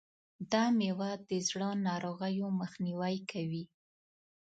دا مېوه د زړه ناروغیو مخنیوی کوي.